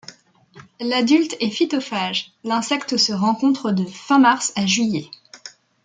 L'adulte est phytophage. L'insecte se rencontre de fin mars à juillet.